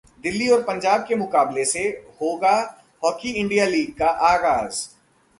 दिल्ली और पंजाब के मुकाबले से होगा हॉकी इंडिया लीग का आगाज